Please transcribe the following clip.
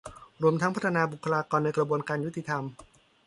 รวมทั้งพัฒนาบุคลากรในกระบวนการยุติธรรม